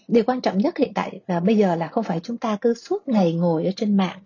điều quan trọng nhất hiện tại bây giờ là không phải chúng ta cứ suốt ngày ngồi trên mạng